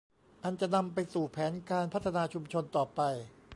อันจะนำไปสู่แผนการพัฒนาชุมชนต่อไป